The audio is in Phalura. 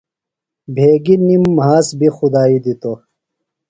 بھیگیۡ نِم مھاس بیۡ خدائی دِتوۡ۔